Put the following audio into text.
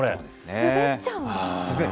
滑っちゃうの？